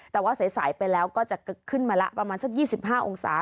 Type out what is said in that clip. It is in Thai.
แต่ว่าใสไปแล้วก็จะขึ้นมาละประมาณสัก๒๕องศา